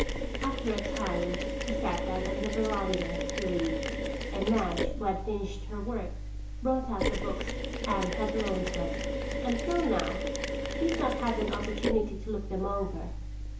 After a time he sat down on the veranda to read and Madge who had finished her work, brought out the books Anne had loaned her. Until now she had not had an opportunity to look them over.